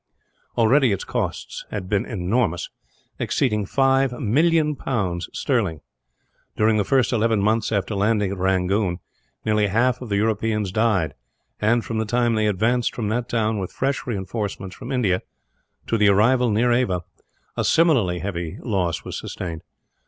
Already its cost had been enormous, exceeding 5,000,000 pounds sterling. During the first eleven months after landing at Rangoon, nearly half of the Europeans died and, from the time they advanced from that town with fresh reinforcements from India, to the arrival near Ava, a similarly heavy loss was sustained.